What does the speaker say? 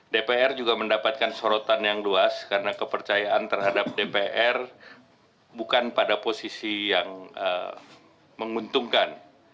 dpr juga mendapatkan sorotan yang luas karena kepercayaan terhadap dpr bukan pada posisi yang menguntungkan